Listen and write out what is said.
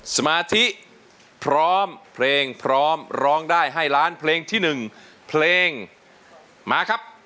สมาธิพร้อมเพลงพร้อมร้องได้ให้ล้านเพลงที่๑เพลงมาครับ